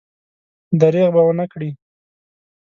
درېغ به ونه کړي.